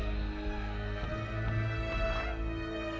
masih ada yang mau ngomong